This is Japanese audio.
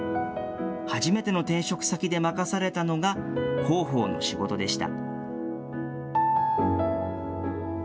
初めての転職先で任されたのが、広報の仕事でした。